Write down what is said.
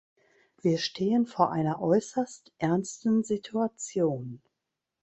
Wir stehen vor einer äußerst ernsten Situation.